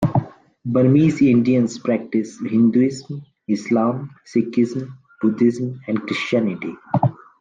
Burmese Indians practise Hinduism, Islam, Sikhism, Buddhism and Christianity.